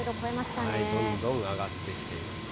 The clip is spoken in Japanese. どんどん上がってきていますね。